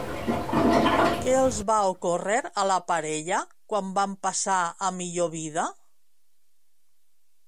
Què els va ocórrer a la parella quan van passar a millor vida?